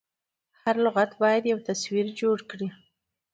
هر لغت باید یو تصویر جوړ کړي.